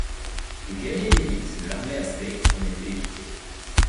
Les guerriers d'élite de l'armée aztèque en étaient équipés.